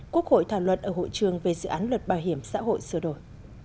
quốc hội thảo luận ở hội trường về dự án luật bảo hiểm xã hội sửa đổi